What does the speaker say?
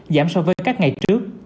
giảm so với các ngày trước